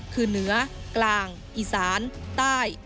คือเหนือกลางอีสานใต้